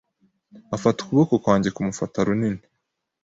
Afata ukuboko kwanjye kumufata runini.